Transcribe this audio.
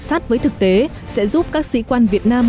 sát với thực tế sẽ giúp các sĩ quan việt nam